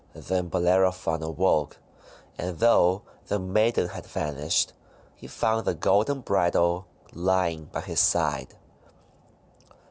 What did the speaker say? Then Bellerophon awoke, and, though the maiden had vanished, he found the golden bridle lying by his side.